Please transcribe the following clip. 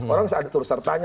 orang harus tersertanya